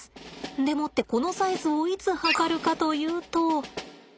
でもってこのサイズをいつ測るかというと。